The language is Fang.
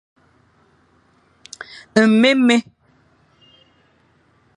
Nmémé.